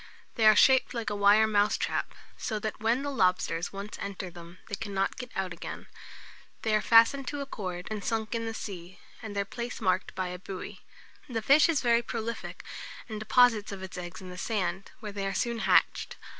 They are shaped like a wire mousetrap; so that when the lobsters once enter them, they cannot get out again. They are fastened to a cord and sunk in the sea, and their place marked by a buoy. The fish is very prolific, and deposits of its eggs in the sand, where they are soon hatched.